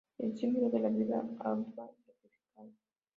Es símbolo de la vida ardua y sacrificada.